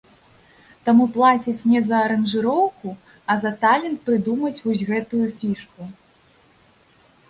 Таму плацяць не за аранжыроўку, а за талент прыдумаць вось гэтую фішку.